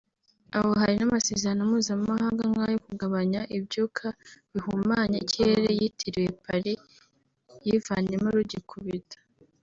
aho hari n’amasezerano mpuzamahanga nk’ayo kugabanya ibyuka bihumanya ikirere yitiriwe Paris yivanyemo rugikubita